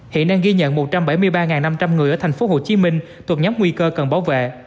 hiện đang ghi nhận một trăm bảy mươi ba năm trăm linh người ở tp hcm thuộc nhóm nguy cơ cần bảo vệ